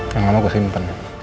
yang ama gue simpen